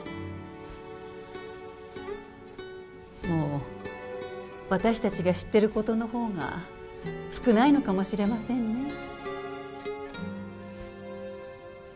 もう私達が知ってることのほうが少ないのかもしれませんね